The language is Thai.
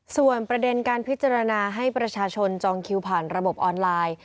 ส่วนประเด็นการพิจารณาให้ประชาชนจองคิวผ่านระบบออนไลน์